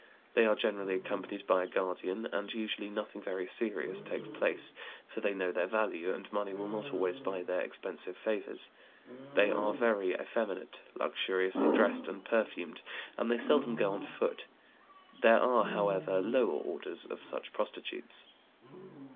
They are generally accompanied by a guardian, and usually nothing very serious takes place, for they know their value, and money will not always buy their expensive favors. They are very effeminate, luxuriously dressed and perfumed, and they seldom go on foot. There are, however, lower orders of such prostitutes.